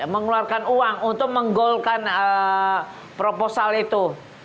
mengeluarkan uang untuk menggolkan proposal itu